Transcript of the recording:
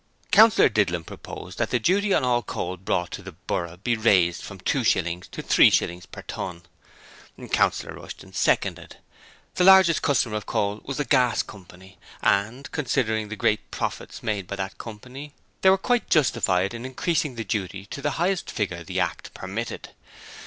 Councillor Didlum proposed that the duty on all coal brought into the borough be raised from two shillings to three shillings per ton. Councillor Rushton seconded. The largest consumer of coal was the Gas Coy., and, considering the great profits made by that company, they were quite justified in increasing the duty to the highest figure the Act permitted.